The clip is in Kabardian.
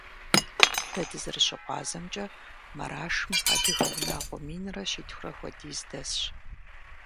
Дэ дызэрыщыгъуазэмкӀэ, Марашым адыгэ унагъуэ минрэ щитхурэ хуэдиз дэсщ.